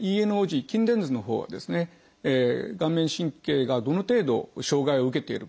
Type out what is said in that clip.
筋電図のほうは顔面神経がどの程度障害を受けているか。